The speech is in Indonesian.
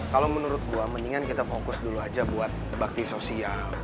kalau menurut gua mendingan kita fokus dulu aja buat bakti sosial